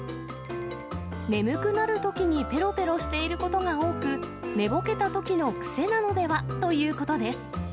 眠くなるときにぺろぺろしていることが多く、寝ぼけたときの癖なのではということです。